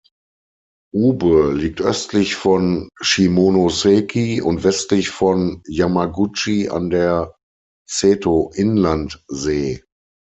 Ube liegt östlich von Shimonoseki und westlich von Yamaguchi an der Seto-Inlandsee.